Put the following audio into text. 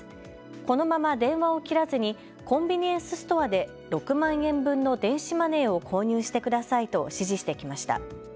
このまま電話を切らずにコンビニエンスストアで６万円分の電子マネーを購入してくださいと指示してきました。